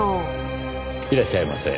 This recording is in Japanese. いらっしゃいませ。